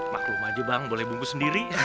maklum aja bang boleh bungkus sendiri